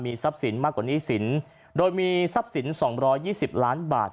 ทรัพย์สินมากกว่าหนี้สินโดยมีทรัพย์สิน๒๒๐ล้านบาท